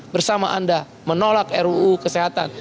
bersama anda menolak ruu kesehatan